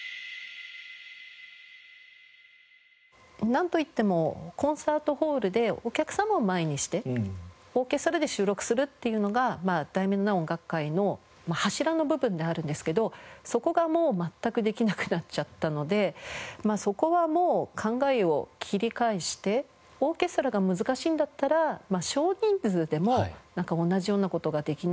なんといってもコンサートホールでお客様を前にしてオーケストラで収録するっていうのが『題名のない音楽会』の柱の部分であるんですけどそこがもう全くできなくなっちゃったのでそこはもう考えを切り返してオーケストラが難しいんだったら少人数でも同じような事ができないかと思って。